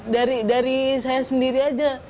dari saya sendiri aja